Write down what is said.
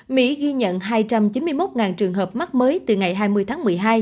mỹ ghi nhận hai trăm chín mươi một trường hợp mắc mới từ ngày hai mươi tháng một mươi hai